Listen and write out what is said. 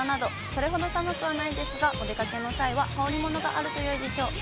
それほど寒くはないですが、お出かけの際は羽織りものがあるとよいでしょう。